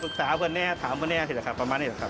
ศึกษาเพื่อนแน่ถามเพื่อนแน่เห็นหรือครับประมาณนี้หรือครับ